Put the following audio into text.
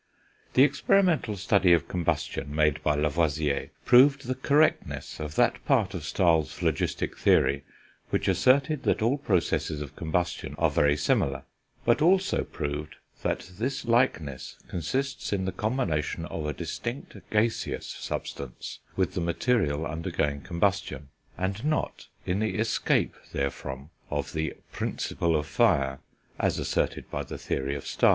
The experimental study of combustion made by Lavoisier proved the correctness of that part of Stahl's phlogistic theory which asserted that all processes of combustion are very similar, but also proved that this likeness consists in the combination of a distinct gaseous substance with the material undergoing combustion, and not in the escape therefrom of the Principle of fire, as asserted by the theory of Stahl.